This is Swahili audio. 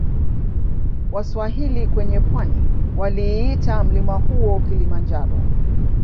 Waswahili kwenye pwani waliita mlima huo Kilimanjaro